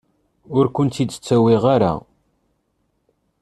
Ur kent-id-ttawiɣ ara.